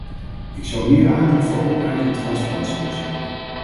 Ik zou meer aandacht voor openheid en transparantie willen zien.